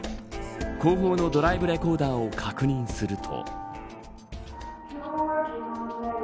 後方のドライブレコーダーを確認すると。